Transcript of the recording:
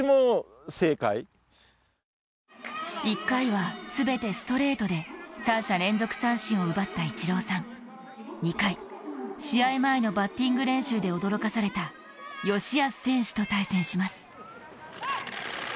１回は全てストレートで３者連続三振を奪ったイチローさん２回、試合前のバッティング練習で驚かされた吉安選手と対戦します。